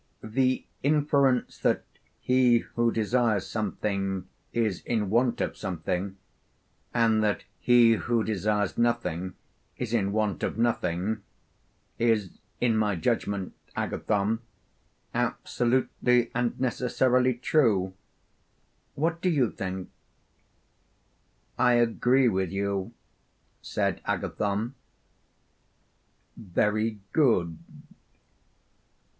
The inference that he who desires something is in want of something, and that he who desires nothing is in want of nothing, is in my judgment, Agathon, absolutely and necessarily true. What do you think? I agree with you, said Agathon. Very good.